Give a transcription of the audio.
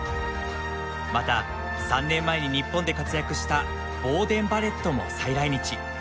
また３年前に日本で活躍したボーデン・バレットも再来日。